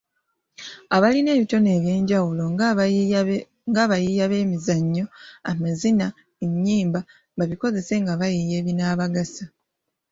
Abalina ebitone eby'enjawulo nga abayiiya b'emizannyo, amazina, ennyimba babikozese nga bayiiya ebinaabagasa.